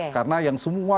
karena yang semua